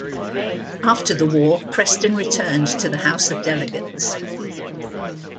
After the war Preston returned to the House of Delegates.